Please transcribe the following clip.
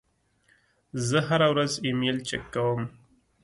زه هره ورځ ایمیل چک کوم.